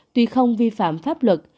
tuy không vi phạm pháp luật